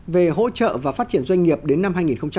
về hỗ trợ và phát triển doanh nghiệp đến năm hai nghìn ba mươi